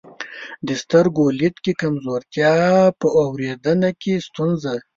د سترګو لید کې کمزورتیا، په اورېدنه کې ستونزه،